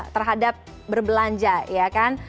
terhadap berbelanja ya kan